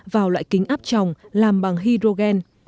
vào loại kính áp tròng làm bằng hydrogen